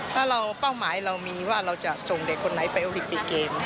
ถ้าเราเป้าหมายเรามีว่าเราจะส่งเด็กคนไหนไปโอลิปปิกเกม